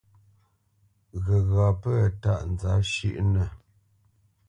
Ghəgha pə̂ tâʼ nzǎp shʉʼnə.